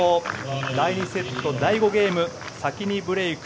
第２セット第５ゲーム先にブレーク。